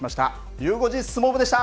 ゆう５時相撲部でした。